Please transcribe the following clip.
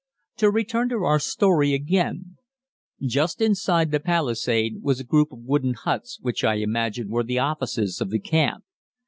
To return to our story again just inside the palisade was a group of wooden huts which I imagine were the offices of the camp.